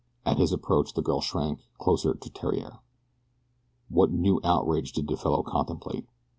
At his approach the girl shrank closer to Theriere. What new outrage did the fellow contemplate?